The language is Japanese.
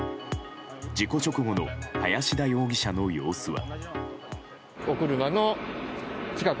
事故直後の林田容疑者の様子は。